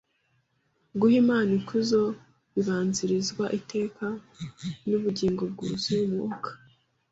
Guha Imana ikuzo bibanzirizwa iteka n'ubugingo bwuzuye Umwuka.